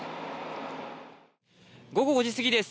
午後５時過ぎです。